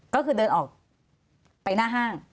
ก็คือเดินออกไปหน้าห้าง